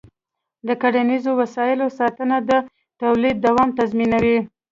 د کرنيزو وسایلو ساتنه د تولید دوام تضمینوي.